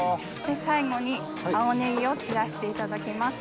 最後に青ネギを散らしていただきます。